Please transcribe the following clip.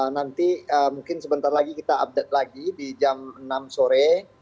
nanti mungkin sebentar lagi kita update lagi di jam enam sore